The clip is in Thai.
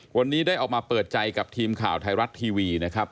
วันนี้ได้ออกมาเปิดใจกับทีมข่าวไทยรัฐทีวีนะครับ